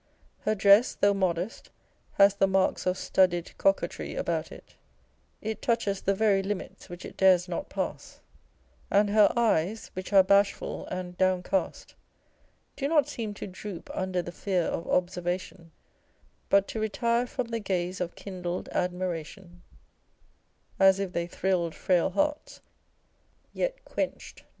Her dress, though modest, has the marks of studied coquetry about it ; it touches the very limits which it dares not pass ; and her eyes, which are bashful and downcast, do not seem to droop under the fear of observation, but to retire from the gaze of kindled admiration, As if they thrill'd Frail hearts, yet quenched not